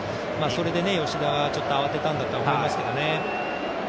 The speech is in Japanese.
それで吉田がちょっと慌てたんだと思いますけどね。